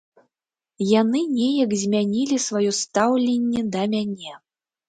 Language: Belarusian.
Яны неяк змянілі сваё стаўленне да мяне.